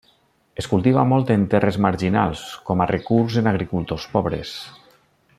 Es cultiva molt en terres marginals com a recurs en agricultors pobres.